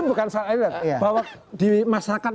ini bukan salahnya bahwa di masyarakat